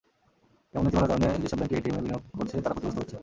এমন নীতিমালার কারণে যেসব ব্যাংক এটিএমে বিনিয়োগ করছে, তারা ক্ষতিগ্রস্ত হচ্ছে।